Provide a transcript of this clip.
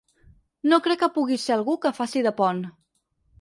No crec que pugui ser algú que faci de pont.